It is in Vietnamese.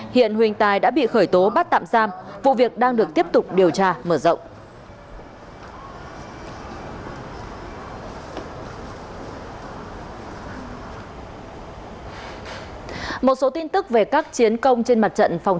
hiện huỳnh tài đã bị khởi tố bắt tạm giam vụ việc đang được tiếp tục điều tra mở rộng